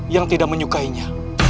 yang tidak menyukainya